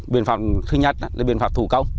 biện pháp thứ nhất là biện pháp thủ công